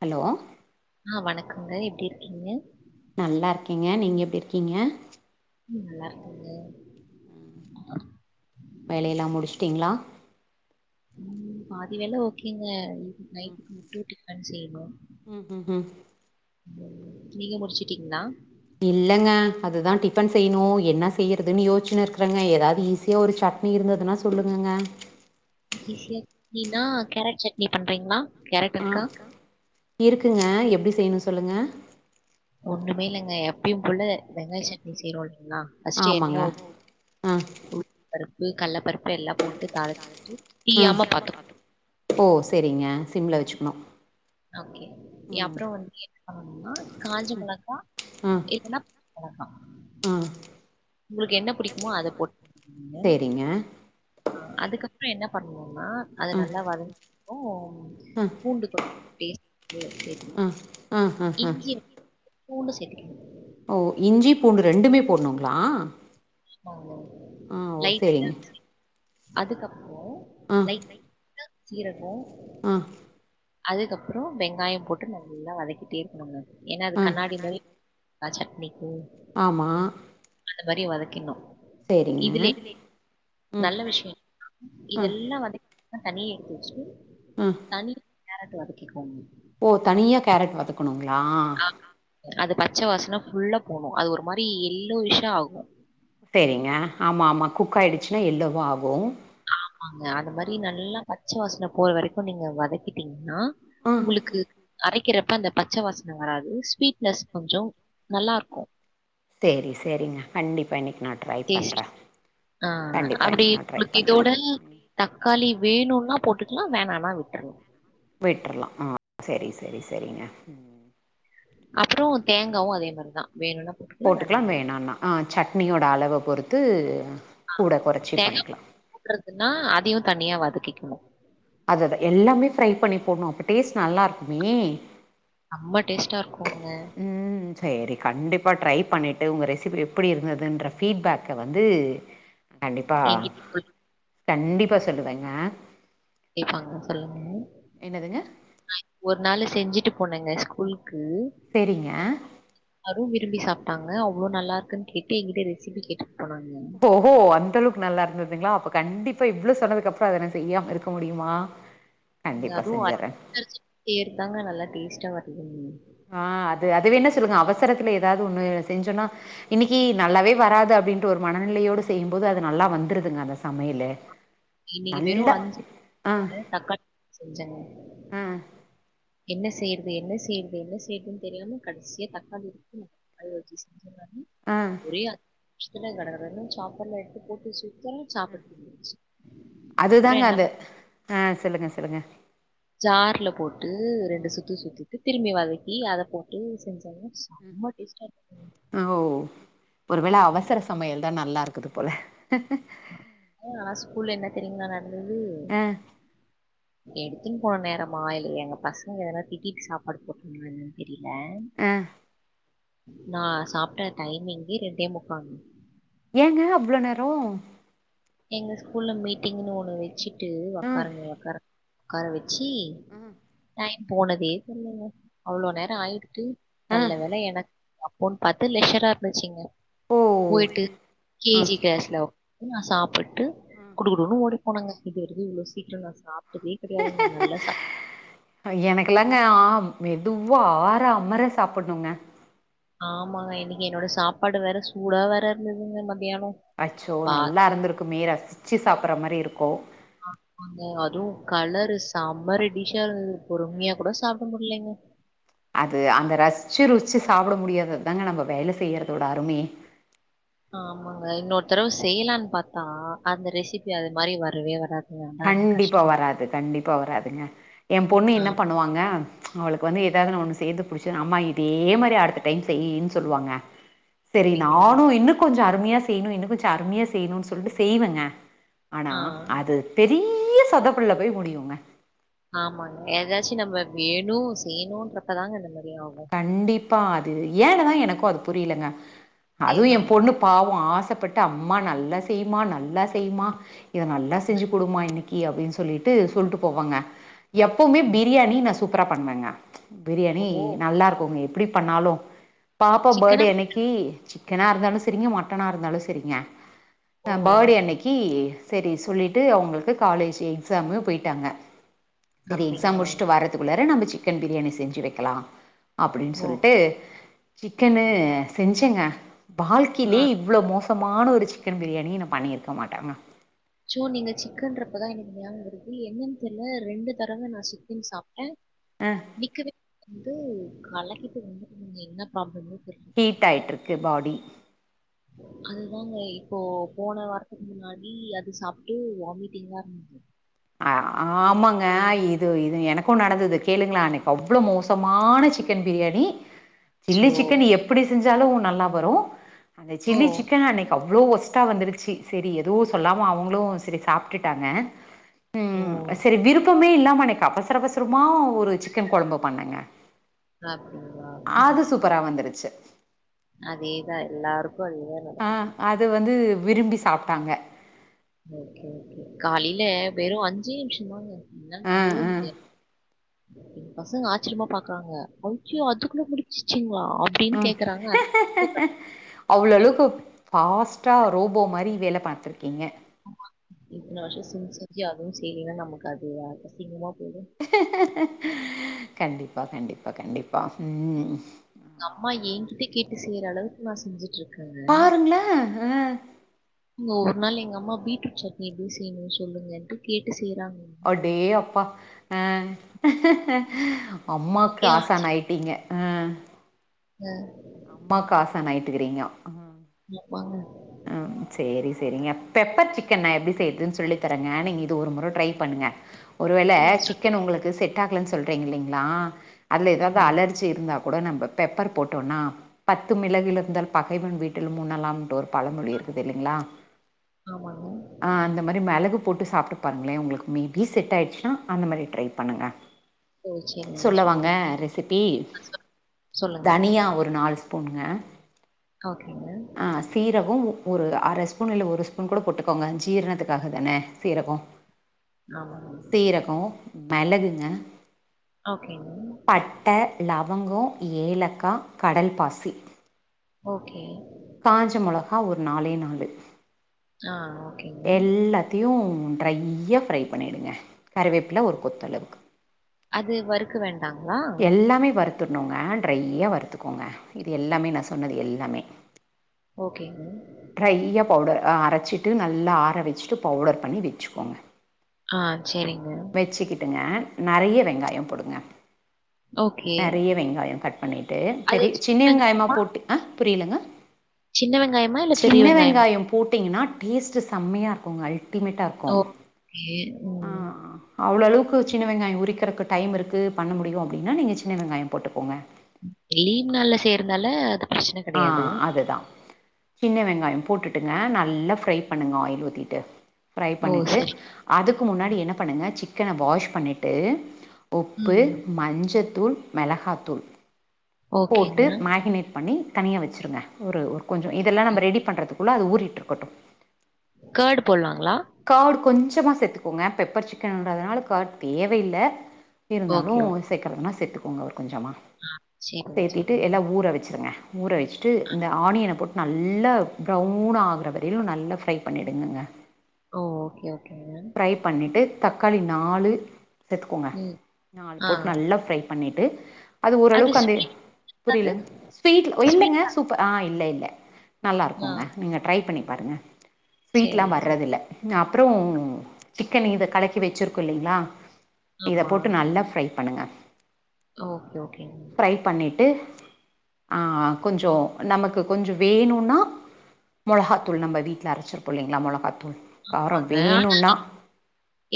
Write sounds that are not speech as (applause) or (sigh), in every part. Hello ஆ வணக்கங்க எப்டி இருக்கீங்க நல்லா இருக்கேங்க நீங்க எப்டி இருக்கீங்க ம் நல்லா இருக்கங்க வேலயெல்லா முடிச்டீங்ளா ம் பாதி வேல ஓகேங்க நைட்டுக்கு மட்டு டிபன் செய்னு ம் ம் ம் நீங்க முடிச்சிட்டீங்ளா இல்லங்க அதுதா டிஃபன் செய்னு என்ன செய்யறதுன் யோச்னு இருக்றங்க ஏதாவது ஈ சியா ஒரு சட்னி இருந்ததுன்னா சொல்லுங்கங்க ஈசியா வேனா கேரட் சட்னி பண்றீங்ளா ஆ இருக்குங்க எப்டி செய்னு சொல்லுங்க ஒண்ணுமே இல்லங்க எப்பியு போல வெங்காய் சட்னி செய்றோ இல்லைங்ளா ஃபஸ்ட் ஆமாங்க எண்ணெ ஆ ஊ பருப்பு கள்ள பருப்பு எல்லா போட்டு தாள் ம் ஓ செரிங்க சிம்ல வச்சுக்குனு ஓகே ஏ அப்றோ வந்து என்ன பண்ணனுனா காஞ்ச மொளகா இதுனா (unintelligible) ம் உங்களுக்கு என்ன புடிக்குமோ அத போட்டு க செரிங்க ஆ அதுக்கு அப்றோ என்ன பண்ணுவோனா அத நல்லா வதக்கு ம் பூண்டு (inaudible) செரி ம் இஞ்சி பூண்டு சேத்திக்கனு ஓ இஞ்சி பூண்டு ரெண்டுமே போட்னூங்ளா லைட் செரிங்க அதுக்கப்றோ ம் லைடா சீரகோ ம் அதுக்கப்றோ வெங்காய போட்டு நல்லா வதக்கிட்டே இருக்கனும்ங்க ஏனா அது ஆ கண்ணாடி மாரி ஆ சட்னிக்கு ஆமா அந்த மாரி வதக்கின்னு செரிங்க நல்ல விஷ்யோ இதெல்லா வந்து தனியா எடுத்து வச்சுட்டு ம் தனி கேரட்ட வதக்கிக் கோங்க ஓ தனியா கேரட் வதக்கனுங்ளா ஆ அது பச்ச வாசன ஃபுல்லா போனு அது ஒரு மாரி எல்லோயிஷ்ஷா ஆகு செரிங்க ஆமா ஆமா குக் ஆய்டுச்சுன்னா எல்லோவா ஆகு ஆங்க அது மாரி நல்லா பச்ச வாசன போற வரைக்கு நீங்க வதக்கிடீங்னா ம் உங்களுக்கு அரை க்கிறப்ப அந்த பச்ச வாசன வராது ஸ்வீட்னஸ் கொஞ்சோ நல்லா இருக்கு செரி செரிங்க கண்டிப்பா இன்னைக்கு நா ட்ரை டேஸ்ட் பண்றே ஆ கண்டிப்பா அப்டி இன்னைக்கு நா ட்ரை உங்களுக் பண்றே இதோட தக்காளி வேனுனா போட்டுக்லா வேணனா விட்டர்லா விட்டுரலாமா ஆ சரி சரி சரிங்க அப்றோ தேங்காவு அதே மாறிதா வேணும்னா போட்டுக்கலா வேணான்னா சட்னியோட அளவை பொறுத்து ஆ கூட கொறச்சி பண்ணிக்கலா தேங்காப்பூ போடுறதுன்னா அதையு தனியா வதக்கிக்கணு அது அதா எல்லாமே ஃப்ரை பண்ணி போடணு அப்ப டேஸ்ட் நல்லா இருக்குமே ரெம்ப டேஸ்ட்டா இருக்குங்க ம் சேரி கண்டிப்பா ட்ரை பண்ணிட்டு உங்க ரெசிபி எப்படி இருந்ததுன்ற ஃபீட்பேக்க வந்து கண்டிப்பா என்கிட்ட சொல்லி கண்டிப்பா சொல்லுவேங்க கேடப்பாங்க சொல்லுங்க என்னதுங்க ஒரு நாள் செஞ்சுட்டு போனங்க ஸ்கூலுக்கு செரிங்க அரும் விரும்பி சாப்ட்டாங்க அவ்ளோ நல்லா இருக்குன்னு கேட்டு எங்கிட்ட ரெசிபி கேட்டு போனாங்க ஓஹோ அந்த அளவுக்கு நல்லா இருந்துதுங்களா அப்ப கண்டிப்பா இவ்ளோ சொன்னதுக்கு அப்றோ அத நா செய்யாம இருக்க முடியுமா நீங்க கண்டிப்பா அதுவு செஞ்சர்றே (unintelligible) நல்லா டேஸ்ட்டா வ (unintelligible) ஆ அது அது வேணா சொல்லுங்க அவசரத்துல ஏதாவது ஒண்ணு செஞ்சோன்னா இன்னைக்கு நல்லாவே வராது அப்டின்ற ஒரு மனநிலையோடு செய்யும்போது அது நல்லா வந்துருதுங்க அந்த சமையலு இன்னைக்கு வெறு நல்லா அஞ்சு ஆ தக்காளி செஞ்சங்க ஆ என்ன செய்யறது என்ன செய்யறது என்ன செய்றதுன்னு தெரியாம கடைசியா தக்காளி இருக்கு அது வச்சி செஞ்ச நானு ஆ அப்டியே அஞ்சு நிமிஷத்துல கட கடன்னு சாப்பாடுல எடுத்து போட்டு சுத்தறே சாப்பாடு தீந்து போச்சு அதுதாங்க அது அ சொல்லுங்க சொல்லுங்க ஜார்ல போட்டு ரெண்டு சுத்து சுத்திட்டு திரும்பி வதக்கி அத போட்டு செஞ்சாங்க செம்ம டேஸ்டா இருந்துதுங்க ம் ஓ ஒருவேள அவசர சமையல் தா நல்லாருக்குது போல மூணு நாளா ஸ்கூல்ல என்ன தெரியுங்களா நடக் அ எடுத்துன் போன நேரமா இல்ல எங்க பசங்க எதனா திட்டிட்டு சாப்பாடு போட்டதுன்னா தெரியல அ நா சாப்ட்ட டைமிங்கே ரெண்டே முக்கால் ஏங்க அவ்ளோ நேரோ எங்க ஸ்கூல்ல மீட்டிங்குன்னு ஒன்னு வெச்சுட்டு ஆ ஒக்காருங்க ஒக்காருங்க உட்கார வெச்சி ம் டைம் போனதே தெரியல அவ்ளோ நேரோ ஆயிட்டு ஆ நல்ல வேல எனக் அப்போன் பாத்து லெஷரா இருந்துச்சுங்க ஓ போயிட்டு கே ஜி கிளாஸ்ல நா சாப்புட்டு குடு குடு குடுன்னு ஓடி போனங்க இது வரைக்கு இவ்ளோ சீக்ரம் நான் சாப் ட்டதே கெடையாதுங்க நல்லா சாப் ட்ட எனக்குலாங்க ஆம் மெதுவா ஆற அமர சாப்பட்ணுங்க ஆமாங்க இன்னிக்கு என்னோட சாப்பாடு வேற சூடா வேற இருந்ததுங்க மத்தியானோ அச்சோ நல்லாருந்துருக்குமே ரசிச்சு சாப்பிட்ற மாரி இருக்கோ அதுவும் கலரு செம்ம ரெட்டிஷ்ஷா இருந்துது பொறுமையா கூட சாப்ட இல்லைங்க அது அங்க ரஸ்ச்சு ருஸ்ச்சு சாப்ட முடியாது அதாங்க நம்ம வேல செய்யறதோட அருமையே ஆமாங்க இன்னொரு தரவ செய்லான் பாத்தா அந்த ரெசிபி அது மாரி வரவே வராது கண்டிப்பா வராது கண்டிப்பா வராதுங்க ஏம் பொண்ணு ஆ என்ன பண்ணுவாங்க அவளுக்கு வந்து ஏதாவ்து நா ஒண்ணு செய்றது புடிச்சுன்ன அம்மா இதே மாரி அடுத்த டைம் செய்யீன் சொல்லுவாங்க செரி அப்டிங்களா? நானு இன்னு கொஞ்சொ அருமையா செய்ணு இன்னு கொஞ்சொ அருமையா செய்ணுன் சொல்ட்டு செய்வங்க ஆனா ஆ. அது பெரிய சொதப்பல்ல போய் முடியுங்க ஆமாங்க எதாச்சு நம்ம வேணு செய்ணுன்றப்பதாங்க இந்த மாரி ஆகு கண்டிப்பா அது ஏன்னு தா எனக்கு அது புரிய்லங்க அதுவு இதா ஏம் பொண்ணு பாவொ ஆசப்பட்டு அம்மா நல்லா செய்மா நல்லா செய்மா இத நல்லா செஞ்சு குடுமா இன்னி க்கி அப்டின் சொல்லிட்டு சொல்ட்டு போவாங்க எப்பவ்மே பிரியாணி நா சூப்பரா பண்ணுவங்க பிரியாணி ஓ! நல்லாருக்குங்க எப்டி பண்ணாலு பாப்பா சிக்கனா? படே அன்னைக் கி சிக்கனா இருந்தாலு செரிங்க மட்டனா இருந்தாலு செரிங்க ஓ! அ படே அன்னக்கி சேரி சொல்லிட்டு அவுங்களுக்கு காலேஜு எக்ஸாமு போயிட்டாங்க செரி எக்ஸாம் அப்டிங்களா? முடிச்ட்டு வர துக்குள்ளார நம்ம சிக்கன் பிரியாணி செஞ்சு வெக்கலா அப்டின் ஓ! சொல்லிட்டு சிக்கனு செஞ்சங்க ஆ. வாழ்கைலே இவ்ளோ மோ சமான ஒரு சிக்கன் பிரியாணிய நா பண்ணியிருக்க மாட்டங்க சோ நீங்க சிக்கன்றப்பதா எனக்கு நியாபகொ வருது என்னன் தெர்ல ரெண்டு தரவ நா சிக்கன் சாப்ட்ட அ (inaudible) வந்து கலக்கிட்டு வந்து (inaudible) என்ன ப்ராப்ளம்னே தெர்ல ஹீட் ஆய்ட்ருக்கு பாடி அதுதாங்க இப்போ போன வாரத்துக்கு முன்னாடி அது சாப்ட்டு வாமிட்டிங்கா இருந்து அ ஆமாங்க இது இது எனக்கு நடந்துது கேளுங்ளா அன்னைக்கு அவ்ளோ மோசமான சிக் கன் பிரியாணி சில்லி இருந்துச்சோ சிக்கன் எப்டி செஞ்சாலு நல்லா வரு அந்த ஓ சில்லி சிக்கன் அன்னைக்கு அவ்ளோ வொஸ் ட்டா வந்துருச்சி செரி எதுவு சொல்லாம அவுங்களு செரி சாப்ட்டுட்டாங்க ஓ ம் சரி விருப்பமே இல்லாம அன்னைக்கு அவசர அவசரமா ஒரு சிக்கன் கொழம்பு பண்ணங்க (unintelligible) அது சூப்பரா வந்துருச்சு அதேதா எல்லாருக்கு அதேதா ஆ அத வந்து விரும்பி சாப்ட்டாங்க ஓகே ஓகே காலைல வெறு அஞ்சே நிம்ஷந்தாங்க என்னால ஆ நம்பவே ஆ முடியா எங் பசங்க ஆச்சரியமா பாக்றாங்க (unintelligible) அதுக்குள்ள முடிச்சிட்டீங்ளா ம் அவ்ளோளவுக்கு ஃபாஸ்ட்டா ரோபோ மாரி வேலப் பாத்ருக்கீங்க இத்தன வர்ஷொ செஞ்சு செஞ்சு அதுவு செய்லீனா நமக்கு அது அசிங்கமா போய்டு கண்டிப்பா கண்டிப்பா கண்டிப்பா ம் அம்மா ஏங்கிட்ட கேட்டு செய்ற அளவுக்கு நா செஞ்சுட்ருக் பாருங்ள ஆ ஏங்க ஒரு நாள் எங்க அம்மா பீட்ரூட் சட்னி எப்டி செய்ணுன் சொல்லுங்கன்ட்டு கேட்டு செய்றாங் அடேயப்பா அ அம்மாக்கு எனக்கே ஆசான் ஆயிட்டீங்க ஆ அ அம்மாக்கு ஆசான் ஆய்ட்டுக்கிறீங்கொ அ (unintelligible) சேரி சேரிங்க பெப்பர் சிக்கன் நா எப்டி செய்றதுன் சொல்லித்தரங்க நீங்க இது ஒரு முற ட்ரை பண்ணுங்க ஒருவேல ம். சிக்கன் உங்களுக்கு செட் ஆகலன் சொல்றீங்க இல்லலைங்களா அதுல எதாவது ஆமாங்க. அலர் ஜி இருந்தா கூட நம்ப பெப்பர் போட்டோன்னா பத்து மிளகு இருந்தால் பகைவன் வீட்டிலும் உன்னலாம்ட்டு ஒரு பழமொழி இருக்குது இல்லைங்களா ஆமாங் அ அந்த மாதிரி மெளகு போட்டு சாப்ட்டு பாருங்களே உங்களுக்கு மேபி செட் ஆய்டுச்சுனா அந்த மாரி ட்ரை பண்ணுங்க ஓ! சரிங்க. சொல்லவாங்க சொல்லுங்க. ரெசிபி அ சொ சொல்லுங்க. தனியா ஒரு நால் ஸ்பூன்ங்க ஓகேங்க ஆ சீரகொ ஒரு அர ஸ்பூன் இல்ல ஒரு ஸ்பூன் கூட போட்டுக்கோங்க ஜீரணத்துக்காக தானே சீரகொ ஆமாங்க. சீரகொ மிளகுங்க ஓகேங் பட்ட லவங்கோ ஏலக்கா கடல்பாசி ஓகே காஞ்ச மொளகா ஒரு நாலே நாளு ஆ ஓகேங்க. எல்லாத்தியு ட்ரையா ஃப்ரை பண்ணிடுங்க கறவேப்பில ஒரு கொத்தளவுக்கு அது வரு க்க வேண்டாங்களா எல்லாமே வறுத்துட்னுங்க டிரைய்யா வறுத்துக்கோங்க இது எல்லாமே நா சொன்னது எல்லாமே ஓகேங் ட்ரையா பவுடர் ஆ அரச்சிட்டு நல்லா ஆற வெச்சுட்டு பவுடர் பண்ணி வெச்சுக்கோங்க ஆ செரிங்க வெச்சுக்கிட்டுங்க நறைய வெங்காயோ போடுங்க ஓகே. நெறைய வெங்காயோ கட் பண்ணிட்டு பெரி சின்ன வெங்காயமா போட்டு ஆ புரியலங்க சின்ன வெங்காயமா? இல்ல பெரிய சின்ன வெங்காயமா? வெங்காயோ போட்டிங்கன்னா டேஸ்ட்டு செம்மையாருக்குங்க அல்டிமேட்டா ஓகே ம் அவ்ளோ அளவுக்கு சின்ன வெங்காயோ உரிக்கறக்கு டைம் இருக்கு பண்ண முடியு அப்டின்னா நீங்க சின்ன வெங்காயோ போட்டுக்கோங்க லீவ் நாள்ல செய்றனால அது பிரச்சன ஆ கெடையாது. அதுதா சின்ன வெங்காயோ போட்டுட்டுங்க நல்லா ஃப்ரை பண்ணுங்க ஆயில் ஊத்திட்டு ஃப்ரை ஓ! பண்ணிட்டு சரி. அதுக்கு முன்னாடி என்ன பண்ணுங்க சிக்கன வாஷ் பண்ணிட்டு உப்பு ம். ம். மஞ்சத்தூள் மெளகாத்தூள் போட்டு ஓகேங்க. மேகனேட் பண்ணி தனியா வச்சுருங்க ஒரு ஒரு கொஞ்சோ இதெல்லா நம்ப ரெடி பண்றதுக்குள்ள அது ஊறிட் இருக்கட்டு கேர்ட் போல்லாங்கலா கார்டு கொஞ்சமா சேத்துக்கோங்க பெப்பர் சிக்கனுன்றதுனால கார்டு தேவயில்ல இருந்தாலு ஓகே, ஓகே. சேக்கறதுன்னா சேத்துக்கோங்க ஒரு கொஞ்சமா சரிங்க, சேத்திட்டு சரிங்க. எல்லா ஊற வச்சுருங்க ஊற வெச்சுட்டு இந்த ஆனியன போட் நல்லா ப்ரௌனாகுற வரயிலு நல்லா ஃப்ரை பண்ணி எடுங்கங்க ஓ ஓகே ஓகே ப்ரை பண்ணிட்டு தக்காளி நாலு சேத்துக்கோங்க ம். நால்லு ஆ. போட் நல்லா ப்ரை பண்ணிட்டு அது ஓரளவுக்கு அந்த அது? புரியலங்க ஃபீட்ல இல்லங்க ஸ்வீட்டா? சூப்பர் ஆ இல்ல இல்ல ஆ. நல்லாருக்குங்க நீங்க ட்ரை பண்ணி பாருங்க ஸ்வீட்ல்லா சரிங்க, சரி. வற்றது இல்ல அப்புறோ சிக்கன் இத கலக்கி வெச்சிருக்கோ இல்லைங்களா இதை ஆமா போட்டு நல்லா ஃப்ரை பண்ணுங்க ஓக்கே ஓகே ப்ரை பண்ணிட்டு அ அ கொஞ்சோ நமக்கு கொஞ்ச வேணுனா மொளகாத்தூள் நம்ப் வீட்ல அரச்சிருப்போ இல்லங்ளா மொளகாத்தூள் காரோ ஆமாங்க. ஆனா வேணும்னா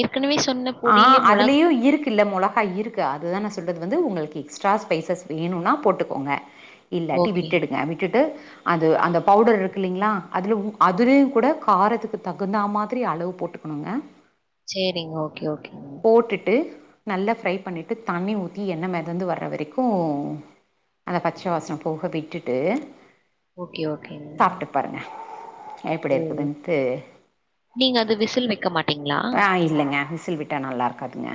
ஏற்கனவே சொன்ன பொடிலே மொளக் இருக்கு இல்ல மொளகா இருக்கு அதுதா நா சொல்றது வந்து உங்களுக்கு எக்ஸ்ட்ரா ஸ்பைசஸ் வேணுனா போட்டுக்கோங்க இல்லாட்டி ஓகே. விட்டுடுங்க விட்டுட்டு அது அந்த பவுடர் இருக்கு இல்லங்ளா அதில உ அதுலயு கூட காரத்துக்கு தகுந்தா மாதுரி அளவு போட்டு பண்ணுங்க சேரிங்க ஓகே ஓகே போட்டுட்டு நல்லா ஃப்ரை பண்ணிட்டு தண்ணி ஊத்தி எண்ண மெதந்து வர்ற வரக்கு அந்த பச்ச வாஸ்ன போக விட்டுட்டு ஓகே, ஓகேங்க. சாப்ட்டு பாருங்க எப்புடி ஓ! இருக்குதுன்ட்டு நீங்க அது விசில் வெக்க மாட் அ இல்லைங்க விசில் விட்டா நல்லாருக்காதுங்க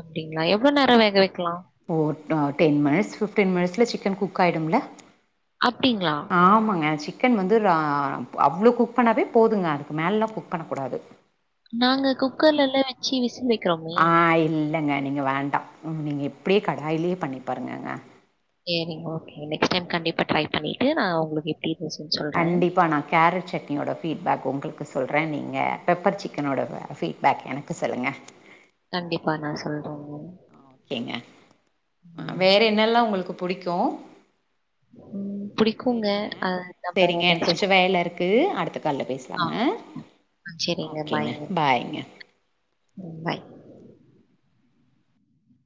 அப்டிங்ளா எவ்ள நேர வேக வெக்லா ஓர் ட டென் மினிட்ஸ் ஃபிஃப்டீ மினிட்ஸில சிக்கன் ஆயிடும்ல அப்டிங்களா? ஆமங்க சிக் கென் வந்து ரா அவ்ளோ குக் பண்ணாவே போதுங்க அதுக்கு மேலலா குக் பண்ணக்கூடாது நாங்க குக்கர்ல எல்லா வெச்சு விசுல் வெக் ஆ இல்ங்க நீங்க வேண்டா ம் நீங்க இப்டியே கடாய்லியே பண்ணி பாருங்கங்க சேரிங் ஓகே நெக்ஸ்ட் டைம் கண்டிப்பா ட்ரை பண்ணிட்டு நா உங்ளுக் எப்டி கண்டிப்பா நா கேரட் சட்னியோட ஃபீட்பேக் உங்களுக்கு சொல்றே நீங்க பெப்பர் சிக்கனோட ஃபீட்பேக் எனக்கு சொல்லுங்க கண்டிப்பா நா சொல்றேங்க கேங்க வேற என்னெல்லா உங்களுக்கு புடிக்கு ம் பிடிக்குங்க. சேரிங்க அ நம்ம சேரிங்க எனக் நெக்ஸ்ட் கொஞ்ச வேல இருக்கு அடுத்த கால்ல பேஸ் ஆ அ ஒக்கேங்க பாய்ங்க பாய்